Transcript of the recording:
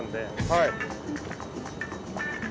はい。